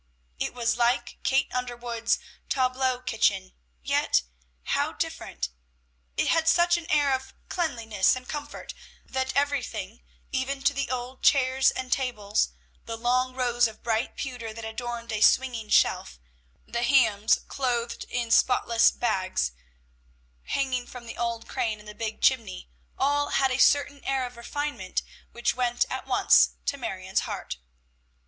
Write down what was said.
It was like Kate Underwood's "Tableau kitchen," yet how different! It had such an air of cleanliness and comfort, that everything, even to the old chairs and tables, the long rows of bright pewter that adorned a swinging shelf, the hams clothed in spotless bags, hanging from the old crane in the big chimney, all had a certain air of refinement which went at once to Marion's heart.